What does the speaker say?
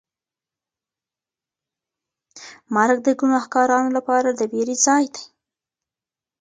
مرګ د ګناهکارانو لپاره د وېرې ځای دی.